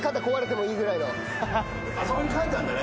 あそこに書いてあんだね